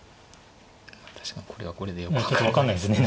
確かにこれはこれでよく分からないですね。